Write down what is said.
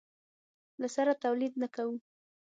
له سره تولید نه کوو.